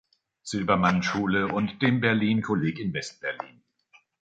Silbermann-Schule und dem Berlin-Kolleg in West-Berlin.